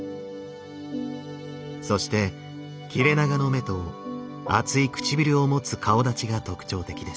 そして切れ長の目と厚い唇をもつ顔だちが特徴的です。